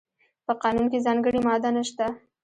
په قانون کې ځانګړې ماده نشته.